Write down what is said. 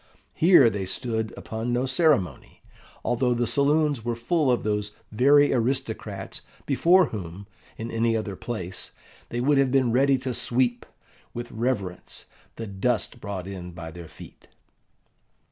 Here they stood upon no ceremony, although the saloons were full of those very aristocrats before whom, in any other place, they would have been ready to sweep, with reverence, the dust brought in by their feet.